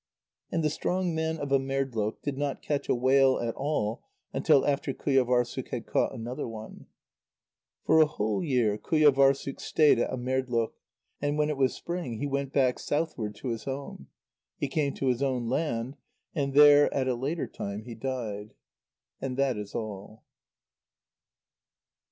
And the strong man of Amerdloq did not catch a whale at all until after Qujâvârssuk had caught another one. For a whole year Qujâvârssuk stayed at Amerdloq, and when it was spring, he went back southward to his home. He came to his own land, and there at a later time he died. And that is all.